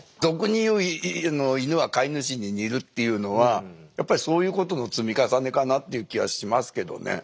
俗に言うイヌは飼い主に似るっていうのはやっぱりそういうことの積み重ねかなという気はしますけどね。